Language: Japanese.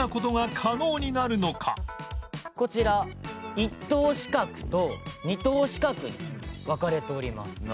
こちら一等資格と二等資格に分かれております。